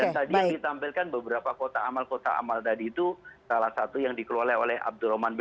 dan tadi yang ditampilkan beberapa kota amal kota amal tadi itu salah satu yang dikelola oleh abdurrahman dutra